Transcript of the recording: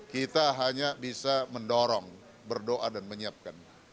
kita hanya bisa mendorong berdoa dan menyiapkan